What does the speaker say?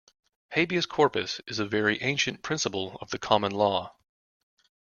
Habeas corpus is a very ancient principle of the common law